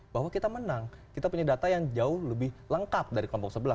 bahwa kita menang kita punya data yang jauh lebih lengkap dari kelompok sebelah